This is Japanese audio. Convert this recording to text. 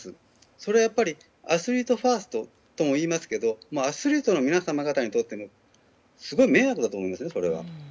それはやっぱりアスリートファーストとも言いますけどアスリートの皆様方にとってもそれはすごく迷惑だと思います。